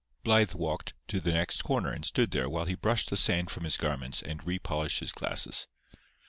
Blythe walked to the next corner and stood there while he brushed the sand from his garments and re polished his glasses.